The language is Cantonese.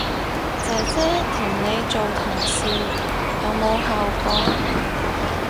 姐姐同你做同事有冇效果